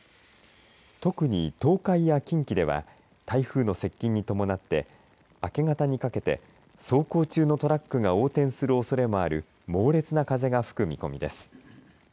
特に東海や近畿では台風の接近に伴って明け方にかけて走行中のトラックが横転するおそれもある猛烈な風が吹く見込みです。